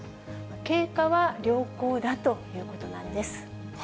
経過は良好だということなんです。